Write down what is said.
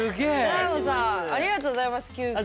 だーごさんありがとうございます急きょ。